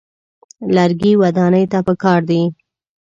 لرګي ودانۍ ته پکار دي.